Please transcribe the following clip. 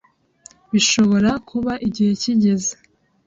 Bishobora kuba igihe kigeze